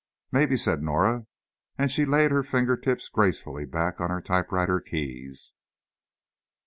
"Maybe," said Norah, and she laid her fingertips gracefully back on her typewriter keys.